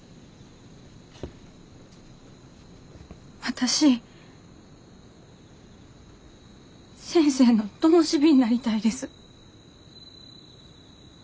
私先生のともし火になりたいです。